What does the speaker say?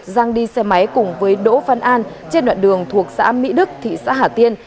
giang đi xe máy cùng với đỗ văn an trên đoạn đường thuộc xã mỹ đức thị xã hà tiên